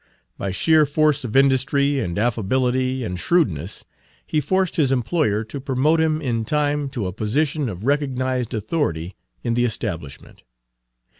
By sheer force of industry and affability and shrewdness, he forced his employer to promote him in time Page 101 to a position of recognized authority in the establishment.